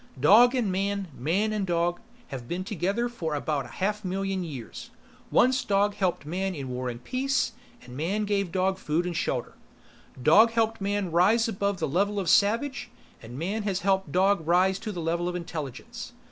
Dog and man, man and dog, have been together for about a half million years. Once dog helped man in war and peace, and man gave dog food and shelter. Dog helped man rise above the level of the savage, and man has helped dog rise to the level of intelligence.